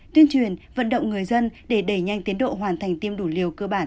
tuyên truyền vận động người dân để đẩy nhanh tiến độ hoàn thành tiêm đủ liều cơ bản